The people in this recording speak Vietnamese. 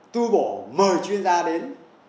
tu bổ mời chuyên gia đến